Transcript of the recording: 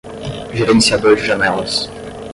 gerenciador de janelas